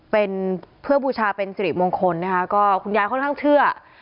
เป็นเพื่อบูชาเป็นสิริมงคลนะคะก็คุณยายค่อนข้างเชื่อ